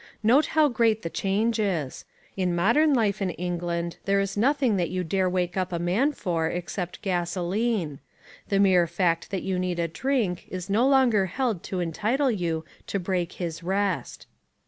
Note how great the change is. In modern life in England there is nothing that you dare wake up a man for except gasoline. The mere fact that you need a drink is no longer held to entitle you to break his rest.